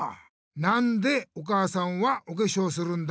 なんでお母さんはおけしょうするんだ？